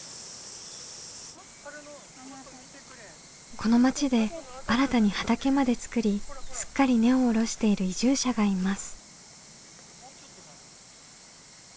この町で新たに畑まで作りすっかり根を下ろしている移住者がいます。